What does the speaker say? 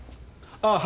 ああ。